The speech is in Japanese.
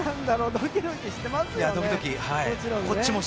ドキドキしてますよね。